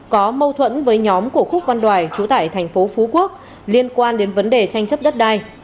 có mâu thuẫn với nhóm của khúc văn đoài chú tại tp hcm liên quan đến vấn đề tranh chấp đất đai